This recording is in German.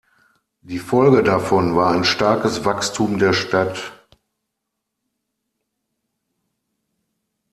Die Folge davon war ein starkes Wachstum der Stadt.